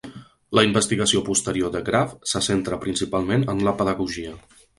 La investigació posterior de Graff se centra principalment en la pedagogia.